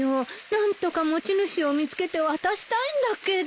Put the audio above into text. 何とか持ち主を見つけて渡したいんだけど。